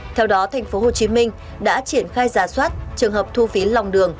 theo đó thành phố hồ chí minh đã triển khai giả soát trường hợp thu phí lòng đường